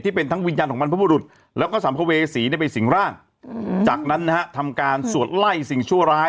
เป็นทั้งวิญญาณของบรรพบุรุษแล้วก็สัมภเวษีไปสิงร่างจากนั้นนะฮะทำการสวดไล่สิ่งชั่วร้าย